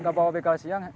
nggak bawa bekal siang